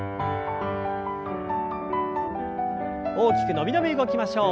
大きく伸び伸び動きましょう。